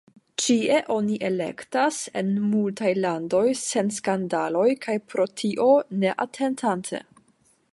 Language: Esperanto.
Ĉie oni elektas, en multaj landoj sen skandaloj kaj pro tio ne atentate.